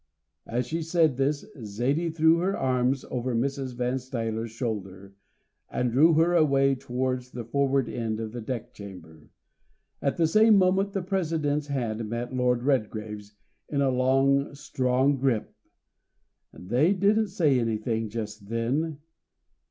As she said this, Zaidie threw her arm over Mrs. Van Stuyler's shoulder, and drew her away towards the forward end of the deck chamber. At the same moment the President's hand met Lord Redgrave's in a long, strong grip. They didn't say anything just then.